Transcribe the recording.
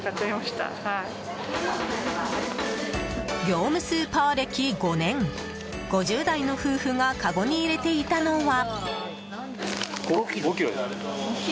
業務スーパー歴５年５０代の夫婦がかごに入れていたのは。